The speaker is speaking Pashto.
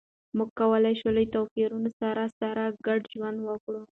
موږ کولای شو له توپیرونو سره سره ګډ ژوند وکړو.